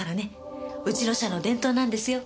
うちの社の伝統なんですよ。